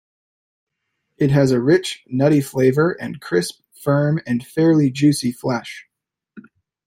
It has a rich, nutty flavour and crisp, firm and fairly juicy flesh.